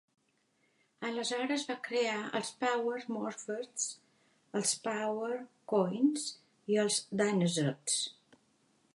Aleshores va crear els Power Morphers, els Power Coins i els Dinozords.